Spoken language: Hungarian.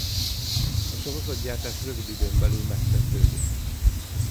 A sorozatgyártás rövid időn belül megkezdődött.